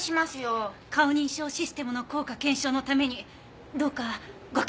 顔認証システムの効果検証のためにどうかご協力を。